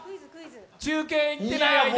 中継いってない間。